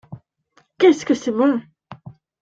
Qu’est-ce que c’est bon !